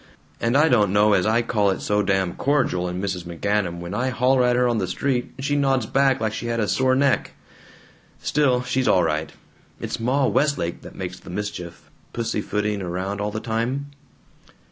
And I don't know as I call it so damn cordial in Mrs. McGanum when I holler at her on the street and she nods back like she had a sore neck. Still, she's all right. It's Ma Westlake that makes the mischief, pussyfooting around all the time.